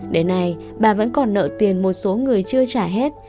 đến nay bà vẫn còn nợ tiền một số người chưa trả hết